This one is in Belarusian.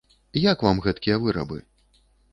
Як вам гэткія вырабы?